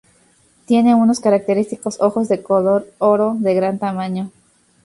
Tiene unos característicos ojos de color oro de gran tamaño.